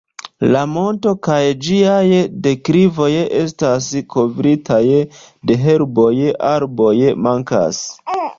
La monto kaj ĝiaj deklivoj estas kovritaj de herboj, arboj mankas.